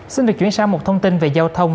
xin được chuyển sang một thông tin về giao thông